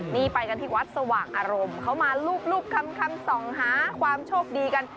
นี่ไปกันที่วัดสว่างอารมณ์เขามารูปคำส่องหาความโชคดีกัน